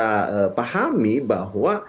harus kita pahami bahwa